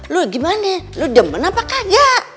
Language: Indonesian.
lu gimane lu demen apa kagak